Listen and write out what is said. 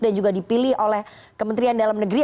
dan juga dipilih oleh kementerian dalam negeri